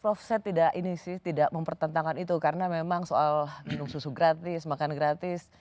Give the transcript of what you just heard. prof saya tidak ini sih tidak mempertentangkan itu karena memang soal minum susu gratis makan gratis